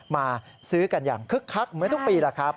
มาซื้อกันอย่างคึกคักเหมือนทุกปีแล้วครับ